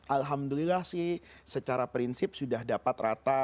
alhamdulillah sih secara prinsip sudah dapat rata